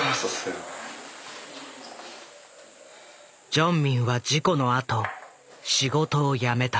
ジョンミンは事故のあと仕事を辞めた。